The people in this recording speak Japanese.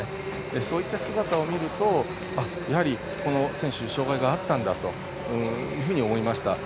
そういった姿を見るとやはり、この選手障がいがあったんだと思いました。